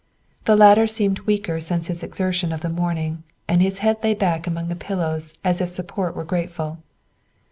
The latter seemed weaker since his exertion of the morning, and his head lay back among the pillows as if the support were grateful.